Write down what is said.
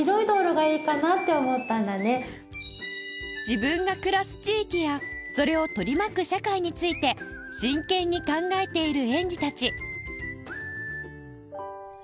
自分が暮らす地域やそれを取り巻く社会について真剣に考えている園児たち